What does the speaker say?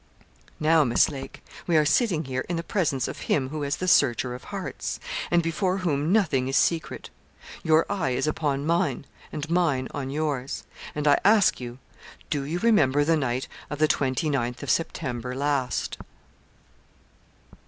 'Now, Miss Lake, we are sitting here in the presence of Him who is the searcher of hearts, and before whom nothing is secret your eye is upon mine and mine on yours and I ask you, do you remember the night of the 29th of September last?'